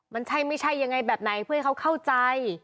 มันใช่ไม่ใช่ยังไงแบบไหนเพื่อให้เขาเข้าใจ